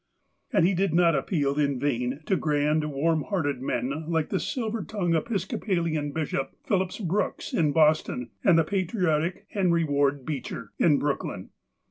And he did not appeal in vain to grand, warm hearted men like the silver tongued Episcopalian Bishoj) Phillips Brooks, in Boston, and the patriotic Henry Ward Beecher, in Brooklyn.